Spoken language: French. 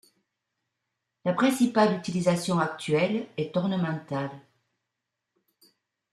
La principale utilisation actuelle est ornementale.